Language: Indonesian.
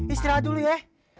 istirahat dulu ya